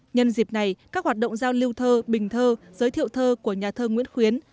nhân dịp này các hoạt động giao lưu thơ bình thơ giới thiệu thơ của nhà thơ nguyễn khuyến